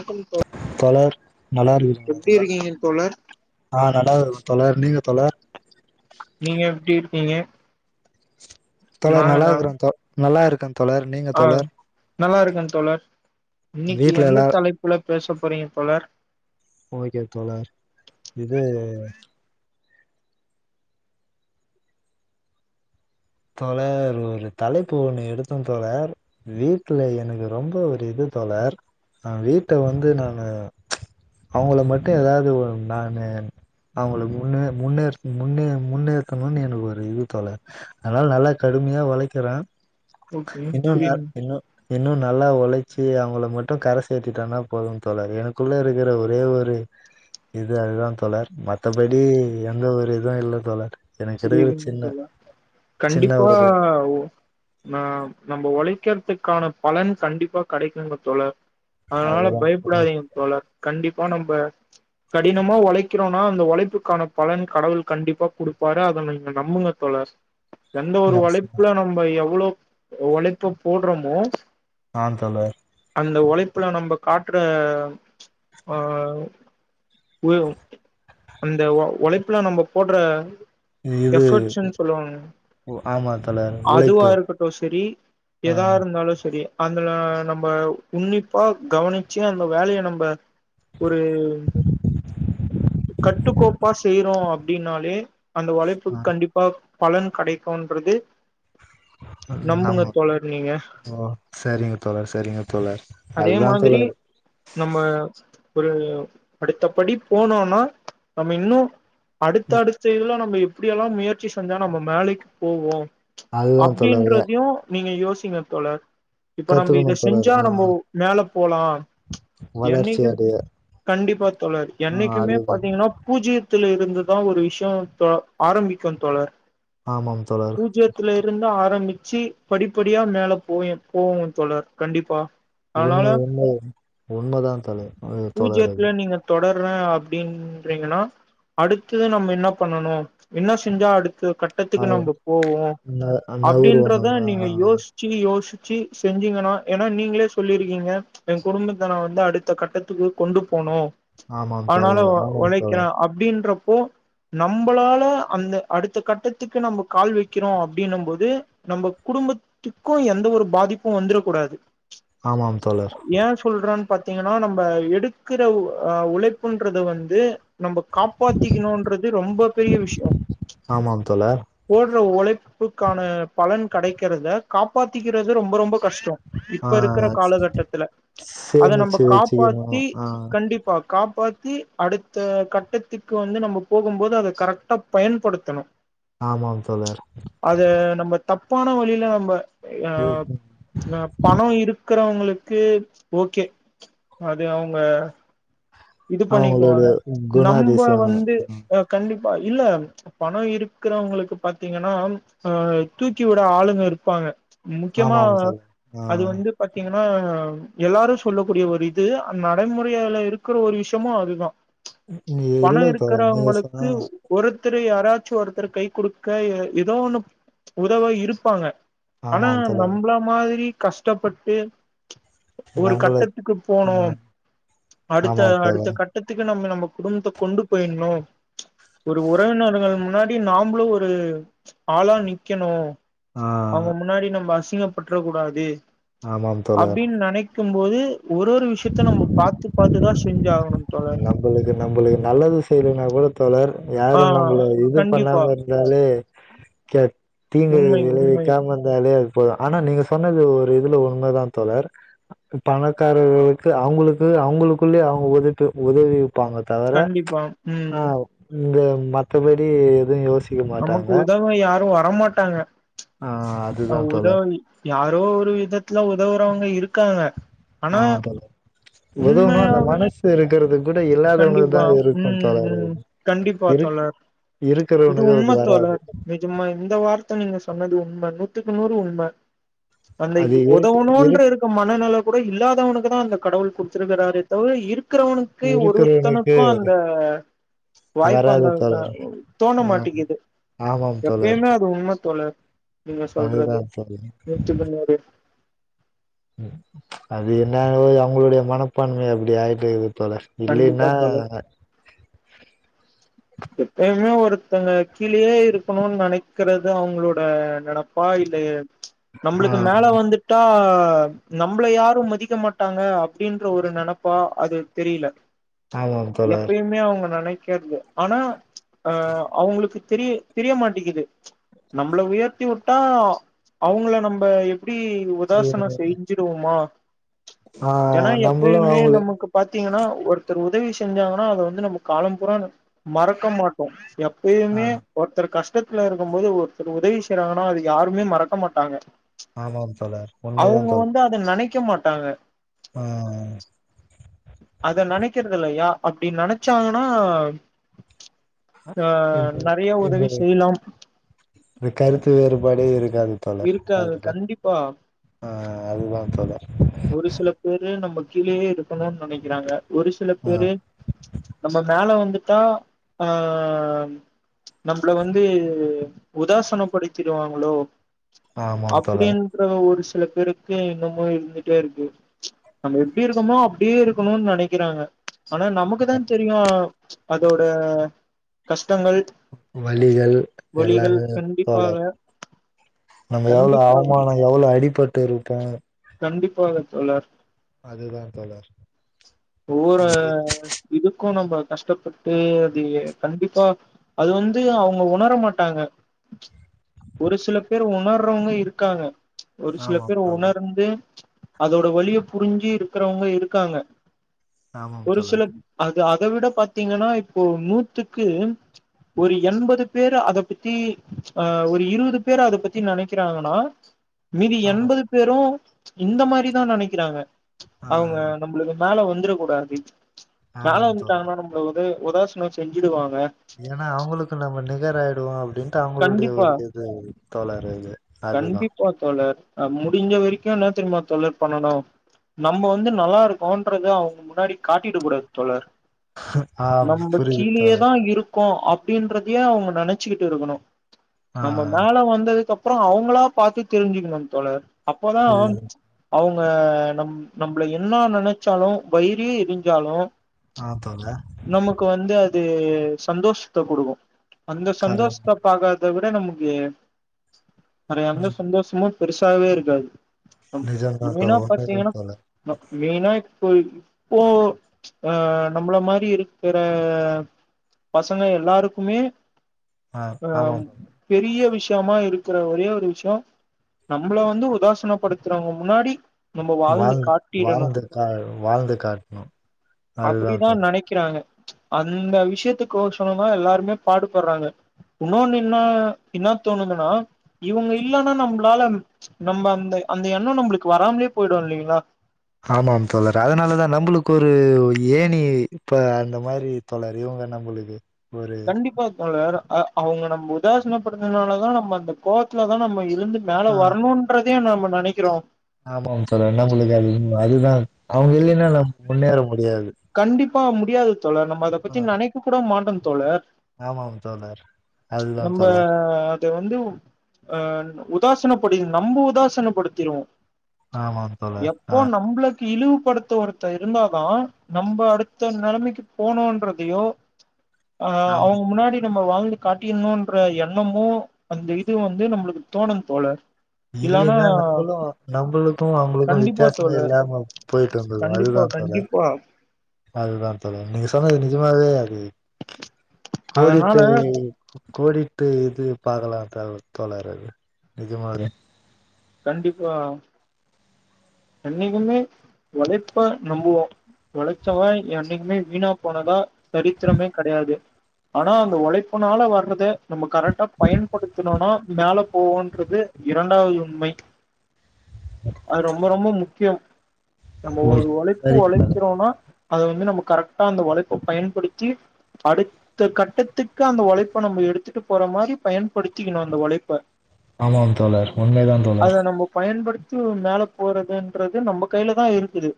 வணக்கம் தோ தலர் நல்லா எப்டி இருக்குங்கங்கா இருக்கீங்க தோழர் ஆஹ் நல்லா இரு தல நீங்க தல எப்டி நீங்க தோழர நல்லா இருக்கிறேன் தோ நல்லா இருக்கன் ஆஹ் நல்லா இருக்கேன் தோழர் இன்னைக்கு வீட்ல எந்த எல்லா தலைப்புல பேச போறீங்க தோழர் ஓகே தோழர் இது தோழர் ஒரு தலைப்பு ஒண்ணு எடுத்த தோழர் வீட்டுல எனக்கு ரொம்ப ஒரு இது தோழர் அஹ் வீட்டை வந்து நான் அவங்கள மட்டும் ஏதாவது நான்னு அவங்க முன்னே முன்னே முன்னே முன்னேற்கணும்னு எனக்கு ஒரு இது தொடர் அதனால நல்லா கடுமையா ஒளைக்கறேன் ஓகே இன்னும்ன்ன புரியுதுங் இன்னும் இன்னும் நல்லா உழைச்சி அவங்கள மட்டும் கர சேத்திட்டன்னா போதும் தோழர் எனக்குள்ள இருக்கிற ஒரே ஒரு இது அதுதான் தோழர் மத்தபடி எந்த ஒரு இதுவும் இல்ல தோழர் [unintelligible] புரியுதுங்க சின்ன தோழா சின்ன கண்டிப்பா ஒரு ந நம்ம உழை க்கிறதுக்கான பலன் கண்டிப்பா கிடைக்குங்க தோழர் அதனால அதுதா தோழர் பயப்படாதீங்க தோழர் கண்டிப் நம்ம கடினமா உழைக்கிறோம்னா அந்த உழைப்புக்கான பலன் கடவுள் கண்டிப்பா கொடுக் வர அத நீங்க நம்புங்க தோழர் எந்த ஒரு பிரச்சன. வழைப்புல நம்ம எவ்ளோ உழைப்ப போடுறோமோ ஆ தோழர் அந்த உழைப்புல நம்ம காட்டுற ஆ அந்த உழைப்புல நம்ம போடுற இது எஃபர்ட்ஸ்ன்னு சொல்லுவாங்க ஆமா தோழர் அதுவா உழைப்பு இருக்கட்டும் சரி ஆ எதா இருந்தாலும் சரி அதுல நம்ம உன்னிப்பா கவனிச்சு அந்த வேலைய நம்ம ஒரு கட்டுக்கோப் ப்பா செய்றோம் அப்டின்னாலே அந்த உழைப்பு ஆ கண்டிப்பா பலன் கிடைக்குன்றது நம ஓ சரிங்க தோழர் சரிங்க தோழர் அதே அதுதான் மாதிரி தோழர் நம்ம ஒரு அடுத்தபடி போனோனா நம்ம இன்னு அடுத்த ம் அடுத்த இதலாம் நம்ம எப்டியெல்லாம் முயற்சி செஞ்சா நம்ம மேலைக்கு போவோம் அதுதா தோழர் எ அப்டின்றதையும் நீங்க யோ சிங்கத்தோழர் இப்ப நம்ம கத்துக்கணு இதை தோழர் செஞ்சா ஆ நம்மப மேல போலாம் வளர்ச்சி என்னைக்கு அடைய கண்டிப்பா தோழர் ஆ என்னைக்குமே அதுதா பாத்தீங்கன்னா பூஜ்ஜி த்துல இருந்துதா ஒரு விஷயம் [inaudible] ஆரம்பிக்கும் தோழர் ஆமாம் தோழர் பூஜீயத்துல இருந்து ஆரம்பி ச்சி படிப்படியா மேல போய போங்க தோழர் கண்டிப்பா அதனால உண்மை உண்மை உண்மைதான் தலை தோழர் பூஜ்ஜியத்துல அது நீங்க தொடர்றே அப்டின்றீங்கன்னா அடுத்தது நம்ம என்ன பண்ணனும் என்ன செஞ்சா அடுத் கட்டத்துக்கு அது நம்ம போவோம் ந நவுருவோம் அப்படின்றத நம்ம நீங்க ஆஹ் யோசிச்சு யோ சி செஞ்சீங்கன்னா ஏன்னா நீங்களே சொல்லிருக்கீங்க என் குடும்பத்த நான் வந்து அடுத்த கட்டத்துக்கு கொண்டு போனும் ஆமாம் தோழர் ஆனாலும் ஆமாம் தோழர் உழைக்கிறான் அப்டின்ற கு நம்மளால அந்த அடுத்த கட்டத்துக்கு நம்ம கால் வைக்கிறோம் அப்டின்னும் போது நம்ம குடும்பத்துக்கும் எந்த ஒரு பாதிப்பும் வந்துர கூடாது ஆமாம் தோழர் ஏன் சொல்றன் பாத்தீங்கன்னா நம்ப எடுக்கிற ஆ உழைப்புன்றது வந்து நம்ப காப்பாத்திக்கணுன்ற இது ரொம்ப பெரிய விஷயோ ஆமாம் தோழர் [unintelligible] ல்ல உழைப்புக்கான பலன் கடைக்கறத காப்பாத்திக்கிறது ரொம்ப ரொம்ப கஷ்டோ ஆ இப்ப இருக்கிற காலகட்டத்தில அத நம்ப சேமிச்சு காப்பாத்தி வச்சுக்கணும் ஆ கண்டிப்பா கா பாத்தி அடுத்த கட்டத்துக்கு வந்து நம்ம போகும்போது அத கரெக்டா பயன்படுத்தணு ஆமாம் தோழர் அத நம்ம தப்பான வழியில நம்ம ஆ உம் ந பணம் இருக் இருக்கறவங்களுக்கு ஓகே அது அவங்க இது அவங்களுடைய பண்ணிக்குவாங்க நம்ம குணாதிசயம் வந்துஹ கண்டி ஹ இல்ல பணம் இருக்கிறவங்களுக்கு பாத்தீங்கன்னா அஹ் தூக்கி விட ஆளுங்க இருப்பாங்க முக்கியமா ஆமாம் தோழர் ஆ அது வந்து பாத்தீங்கன் ஆ ஆ எல்லாரு சொல்லக்கூடிய ஒரு இது அ நடைமுறைல இரு இருக்குற ஒரு விஷயமும் அதுதான் இல்ல பணம் தோழர் நீங்க சொன்னா இருக்கிறவங்களுக்கு ஒருத்த து யாராச்சும் ஒருத்தர் கை குடுக்க ஏத் ஏதோ ஒண்ணு உதவ இருப்பாங்க ஆனா ஆமாம் தோழர் நம்பள மாதிரி கஷ்டப்பட்டு ஒரு நம்மள கட்டத்துக்கு ஆ போனோம் அடுத்த ஆமாம் அடுத்த தோழர் கட்டத்துக்கு [unintelligible] நம்ம நம்ம குடும்பத்தை கொண்டு போயிட்ணும் ஒரு உறவினர்கள் முன்னாடி நாமளும் ஒரு ஆளா நிக்கணும் ஆ அவங்க முன்னாடி நம்ம ங்கப்பற்றக்க கூடாது ஆமாம் தோழர் க்கும் போது ஒரு ஒரு விஷயத்த நம்ம பாத்து பாத்து தான் செஞ்சாகணும் நம்மளுக்கு நம்மளுக்கு நல்லது செய்யலனா கூட தோழர் ஆ யாரும் நம்மள இது கண்டிப்பா பண்ணாம இருந்தாலே த தீங்கு உண்மை உண்மை விளைவிக்காம இருந்தாலே [unintelligible] ஆனா நீங்க சொன்னது ஒரு இதுல உண்மதான் தோழர் பணக்காரங்களுக்கு அவங்களுக்கு அவங்களுக்குள்ளயே அவங்க [unintelligible] [unintelligible] இப்ப அவங்க தவிர கண்டிப்பா ம் ஆஹ் இங்க மத்தபடி எதையு யோசி நமக்கு உதவ யாரும் வர வரமாட்டாங்க ஆ அதுதா அவுங்குதா தோழர் யார் தோ ஒரு விதத்துல உதவுறவங்க இருக்காங்க ஆனா ஆஹ் தோழர் உதவணு உண்மையா அந்த மனசு இருக்கிறதுக் கண்டிப்பா உம் உம் கண்டிப்பா இருக் தோழர் இது இருக்கிறவனுக்கு அது உண்மை வராது தோழர் நிஜமா இந்த வார்த்தை நீங்க சொன்னது உண்மை நூத்துக்கு நூறு உண்ம அந்த அது இருக்கு உதவணுன்ற இருக் இருக்க மனநில கூட இல்லாதவனுக்குதா அந்த கடவுள் குடுத்துருக்கிறாரே தவிர இருக்கிறவங்க க்கு இருக்கிறவனுக்கு ஒருத்தனுக்கு அந்த வாய்ப்பு அந்த வராது அந்த தோழர் தோண ஆ மாட்டேங்கிது ஆமாம் தோழர் எப்பயுமே அது உண்மை தோழர் நீங்க சொல்றது அதுதா தோழர் நூத்துக்கு நூறு ம் அது என்ன அவங்களுடைய மனப்பான்மை அப்டி ஆயிட்ருக்குது தோழர் கண்டிப்பா இல்லின்னா தோழர் எப்பயுமே ஒருத்தங்க கீழயே இருக்கணுன்னு நெனைக்கிறது அவங்களோட நெனப்பா இல்ல ஆ நம்பளுக்கு மேல வந்துட்டா அஹ் நம்பள யாரும் மதிக்க மாட்டாங்க அப்டின்ற ஒரு நெனப்பா அது தெரியல ஆமாம் தோழர் எப்பயுமே அவங்க நெனைக் கேட்டுங்க ஆனா அஹ் அவங்களுக்கு தெரிய தெரிய மாட்டேங்குது நம்மள உயர்த்தி விட்டா அவங்கள நம்ப எப்டி உதாசன செஞ்சுடுவோமா ஆஹ் நம்பளும் அவங்களு நமக்கு பாத்தீங்கன்னா ஒருத்தர் உதவி செஞ்சாங்கன்னா அத வந்து நம்ம காலம் பூரா மறக்க மாட்டோ எப் ஆ எப்பயுமே ஒருத்தர் கஷ் பக்கத்துல இருக்கும் போது ஒருத்தர் உதவி செய்யறாங்கன்னா அது யாருமே மறக்க மாட்டாங்க ஆமாம் தோழர் உண்மைதா தோழர் க்க மாட்டாங்க ஆஹ் க்கிறது இல்லையா அப்டி நெனைச்சாங்கன்னா ஆ இந்த நெறைய இந்த உதவி செய்யலாம் இந்த கருத்து வேறுபாடு இருக் அ அது தல இருக்காது அது‌தா கண்டிப்பா ஆ அதுதான் தல ஒரு சில பேரு நம்ம கீழயே இருக்கணுன்னு நெனைக்கிறாங்க ஒரு சில ஆ பேரு நம்ம மேல வந்து தா ஆஹ் நம்பள வந்து உதாசனப்படுத்திடுவாங்களோ ஆமாம் தோழர் அப்டின்ற ஒரு சு சில பேருக்கு இன்னுமு இருந்துட்டே இருக்கு நம்ம எப்டி இருக்கோமோ அப்டியே இருக்குணுன்னு நெனக்கிறாங்க ஆனா நமக்குதா தெரியு அதோட கஷ் வழிகள் வலிகள் எல்லாமே கோளாறு கண்டிப்பாக நம்ம எவ்ளோ கண்டிப்பாக அவமானோ எவ்ளோ அடிபட்டு இருக்கே கண்டிப்பாக தோழர் அதுதா தோழர் ஒரு க்கு நம்ப கஷ்டப்பட்டு அது கண்டிப்பா அது வந்து அவங்க உணர மாட்டாங்க ஒரு சில பேர் உண் மார்றவங்க இருக்காங்க ஒரு சில ஆமாம் பேர் தோழர் உணர்ந்து அதோட வலிய புரிஞ்சி இருக்றவங்க இருக்காங்க ஆமாம் ஒரு சில தோழர் அ இது அத விட பாத்தீங்கன்னா இப்போ நூத்துக்கு ஒரு எண்பது பேர் அத பத்தி, ஆ ஒரு இருபது பேர் அத பத் தி நினக்கிறாங்கன்னா மீதி ஆமாம் எண்பது பேரு இந்த மாரிதா நெனைக்கிறாங்க ஆ அவங்க நம்பளுக்கு மேல வந் [unintelligible] கூடாது மேல ஆமாம் தோழர் வந்துட்டாங்கன்னா நம்பளது உதாசீனம் செஞ்சுடுவாங் ஏன்னா அவங்களுக்கு நம்ம நிகர் ஆயிடுவோ அப்டின் த்து அவங்களுடைய கண்டிப்பா ஒரு இது தோழரே இது அதுதா ஆ ஆ முடிஞ்ச வரைக்கும் என்ன தெரியுமா தோழர் பண்ணணும? நம்ம வந்து நல்லா இருக்கோன்றது அவங்க முன்னாடி காட்டிட கூடாது தோழர் ஆஹ் நம்ப புரியுது தோழர் கீழேயேதா இருக் க்கு அப்டின்றதயு அவங்க நெனைச்சுக்கிட்டு இருக்கணு நம்ம ஆஹ் மேல வந்ததுக்கு அப் அப்றோ அவங்களா பாத்து தெரிஞ்சுக்கணும் தோழர் அப்போதா புரியுது அவுங் ஆஹ் நம் நம்பள என்ன நெனைச்சாலும் வயிரே எரிஞ்சாலும், ஆஹ் தோழர் து சந்தோஷத்த குடுக்கும் அந்த சந்தோஷ் கரெக்ட் அத விட நமக்கு ம் [unintelligible] பெருசாகவே இருக்காது நிஜம்தான் மெயினா தோழர் உண்மைதான் பாத்தீங்கன்னா தோழர் மெயினா இப்போ இப்போ ஆஹ் நம்மள மாரி இருக்கிற பசங்க எல்லாருக்குமே ஆஹ் ஆமாம் தோழர் பெரிய விஷ விஷயமா இருக்கிற ஒரே ஒரு விஷயம் நம்மளை வந்து உதாசனப்படுத்துறவங்க முன்னாடி நம்ம வாழ்ந்து காட்டிடணு வாழ்ந்து கா வாழ்ந்து காட்டணும் அதுதான் அப்படிதா தோழர் நெனைக்கிறாங்க அந்த விஷயத்துக் கோசரம் தான் எல்லாருமே பாடுபடுறாங்க உன்னொன்னு இன்னா இன்னா தோணுதுன்னா இவங்க இல்லன்னா நம்பளால நம்ம அந்த அந்த எண்ணம் நம்பளுக்கு வராமலயே போயிடும் இல்லைங்களா ஆமாம் தோழர் அதனாலதான் நம்புளுக்கு ஒரு ஏனி இப்ப அந்த மாதிரி தோழரு இவங்க நம்புளுக்கு கண்டிப்பா தோழர் அ அவங்க நம்ப உதாசனைப்படுறதுனால தான் நம்ம அந்த கோவத்துல தான் நம்ம எ இருந்து மேல ஆஹ் வரணும்ன்றதயே நாம நனக்கிறோம் ஆமாம் தோழரே நம்மளுக்கு அது அதுதான் அவங்க இல்லன்னா நம் முன்னேற முடியாது பா முடியாது தொள்ள நம்ம அதை பத்தி ஆஹ் நனக்க கூட மாடோம் தோழர் ஆமாம் தோழர் அதுதான் நம்ம தோழர் அதை வந்து அஹ் உதாசனப்படி நம்ப உதாசனப்படுத்திருவோம் ஆமாம் தோழர் எப்போ ஆ நம்பளுக்கு இலுவு படுத்து ஒருத்த இருந்தாதான் நம்போ அடுத்த நலைமைக்கு போனோன்றதையோ ஆஹ் அவங்க ஆமாம் முன்னாடி நம்ம வாழ்ந்து காட்டிடணும்ன்ற எண்ணமும் அந்த இது வந்து நம்மளுக்கு தோணும் தோலர் இல்லன்னா நம்பலு நம்பலுக்கும் அவங்களுக்கும் கண்டிப்பா வித்தியாசமே தோழர் இல்லாம போய்ட்டு இருந்துருக்கும் கண்டிப்பா அதா தொலர் கண்டிப்பா அதுதான் தோழர் நீங்க சொன்னது நஜமாவே அது அதனால கோடிட்டு கோடிட்டு இது பாக்கலாம் தோலைறது இது நிஜமாவே கண்டிப்பா எண்ணக்குமே ஓலைப்ப நம்புவோம் ஒளைச்சவன் என்னைக்குமே வீணா போனதா சரித்திரமே கடையாது ஆனா அந்த உழைப்புனால வர்றதை நம்ம கரெக்டா பயன்படுத்தணும்னா மேல போவோன்றது இரண்டாவது உண்மை அது ரொம்ப ரொம்ப முக் முக்கிய நம்ம ஒரு ஓகே ஒழைப்பு சரிங்க தோழர் ஒழைக்கிறோன்னா அத வந்து நம்ம கரெக்டா அந்த ஒழைப்ப பயன்படுத்தி அடுத்த கட்டத்துக்கு அந்த ஒழைப்ப நம்ம எடுத்துட்டு போற மாரி பயன்படுத்திக்கணும அந்த ஒழைப்ப ஆமாம் தோழர் உண்மைதான் அத நம்ம பயன்படுத் த்து மேல போறதுன்றது நம்ம கையிலதா இருக்குது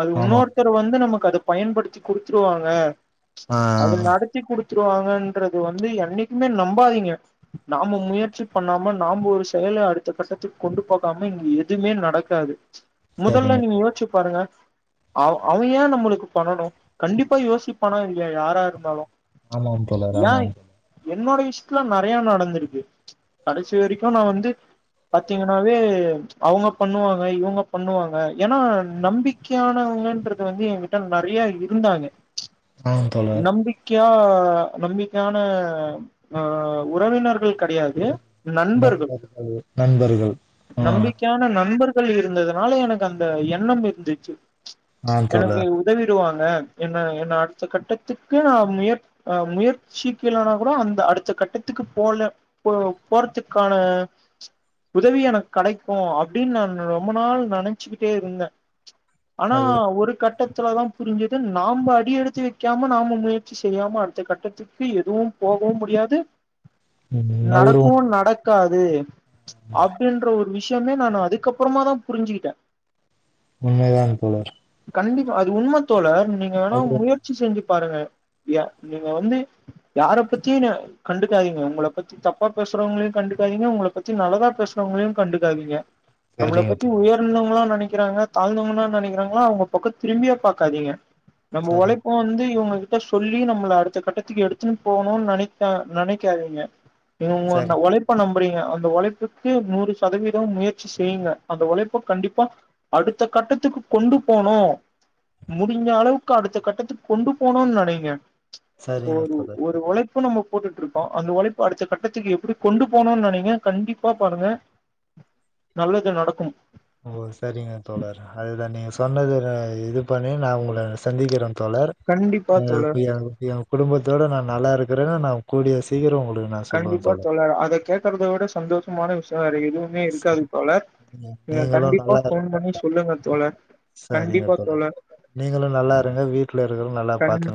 அது ஆமாம் உன்னோருத்தர் வந்து நமக்கு அது பயன்படுத்தி குடுத்ருவாங்க ஆ அது நடத்தி குடுத் த்துருவாங்கன்றது வந்து என்னைக்குமே நம்பாதீங்க நாம முயற்சி பண்ணாம நாம ஒரு செயல அடுத்த கட்டத்து கொண்டு போகாம இங்க எதுமே நடக்காது முதல்ல சரிங்க நீங்க தோழர் யோச்சு பாருங்க அவ் அவ ஏன் நம்மளுக்கு பண்ணணும் கண்டிப்பா யோசிப்பானா இல்லயா யாரா இருந்தாலும் ஆமாம் தோழர் ஆமாம் என்னோட விஷயத்துல நெறைய நடந்திருக்கு கடைசி வரைக்கு நா வந்து பத் பாத்தீங்கன்னாவே அவங்க பண்ணுவாங்க இவங்க பண்ணுவாங்க ஏன்னா நம்பிக்கையானவங்கன்றது வந்து என்கிட்ட நெறைய இருந்தாங்க ஆ தோழர் [unintelligible] நம்பிக்கையான ஆ உறவினர்கள் கெடையாது ந நண்பர்கள் நம்பரு நம்பிக்கையான நண்பர் [unintelligible] இருந்ததுனால எனக்கு அந்த எண்ணம் இருந்துச்சு ஆ எனக்கு தோழர் உதவிடுவாங் அந்த என்ன என்ன அடுத்த கட்டத்துக்கு நான் முயற் ஆ முயற்சிக்கலனா கூட அந்த அடுத்த கட்டத்துக்கு போல போ போறதுக்கான உதவி எனக்கு கெடைக்கும் அப்டின்னு நா ரொம்ப நாள் நெனைச்சுக்கிட்டே இருந்தே ஆனா அது ஒரு கட்டத் த்துலதா புரிஞ்சுது நாம அடியெடுத்து வைக்காம நாம முயற்சி செய்யாம அடுத்த கட்டத்துக்கு எதுவு போகவு முடியாது நவுரு நடக்கு நடக்காது அப்டின்ற ஒரு விஷ் விஷயமே நான் அதுக்கப்றமா தான் புரிஞ்சுகிட்டேன் உண்மைதான் தோழர் கண்டிப்பா அது உண்ம தோழர் நீங்க வேனா அதுவா முயற்சி செஞ்சு பாருங்க யா நீங்க வந்து யார பத்தியு கண்டுக்காதீங்க உங்கள பத்தி தப்பா பேசுறவங்களையு கண்டுக்காதீங்க உங்கள பத்தி நல்லதா பேசுறவங்களையும் கண்டுக்காதீங்க நம்ள சரிங்க பத்தி தோழர் உயர்ந்தவங்களா நெனைக் க்கிறாங்க தாழ்ந்தவங்கன்னு நினைக்கிறாங்களா அவங்க பக்கம் திரும்பியே பாக்காதீங்க நம்ம சரிங்க உழைப்பு தோழர் வந்து இவங்களுக்கு ஒருத்தர் சொல்லி நம்மள அடுத்த கட்டத்துக்கு எடுத்துன்னு போணும்னு நினைக்கா நினைக்காதீங்க சரி இவங்கொன்ன உழைப்ப நம் அப்புடிங்க அந்த ஒழைப்புக் க்கு நூறு சதவீதம் முயற்சி செய்யுங்க அந்த உழைப்ப கண்டிப்பா அடுத்த கட்டத்துக்கு கொண்டு போனும் முடிஞ்சளவுக்கு அடுத்த கட்டத்துக்கு கொண்டு போனும்னு நினைங்க இப்ப சரிங்க ஒரு தோழர் ஒரு சரி உழைப்பு நம்ம போட்டுட்டுருக்கோம் அந்த ஒழப்ப அடுத்த கட்டத்துக்கு எப்படி கொண்டு போனும் நினைங்க கண்டிப் இப்பா பாருங்க நல்லது நடக்கும் ஓ சரிங்க தோழர் அதுதான் நீங்க சொன்னதுல இது பண்ணி நான் உங்கள சந்திக்கிறோம் தோழர் கண்டிப்பா நீங்கள் தோழர் பி ஐ பி ஐ குடும்பத்தோட நான் நல்லா இருக்கிறேன்ன நா கூடிய சீக்கிரம் உங்க கண்டிப்பா தோழர் அத கேக்குறத விட சந்தோஷமான விஷ் சரி சரி நீங்களும் கண்டிப்பா நல்லா ஃபோன் இருங்க பண்ணி சொல்லுங்க தோழர் சரிங்க தோழர் நீங்களும் நல்லா இருங்க வீட்டுல இருக்குறவங்களும் நல்லா கண் பாத்துகங்